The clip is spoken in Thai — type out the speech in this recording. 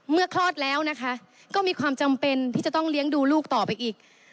คลอดแล้วนะคะก็มีความจำเป็นที่จะต้องเลี้ยงดูลูกต่อไปอีก